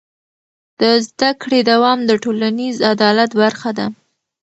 د زده کړې دوام د ټولنیز عدالت برخه ده.